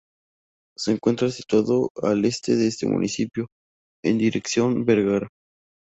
Se encuentra situado al este de este municipio, en dirección Vergara.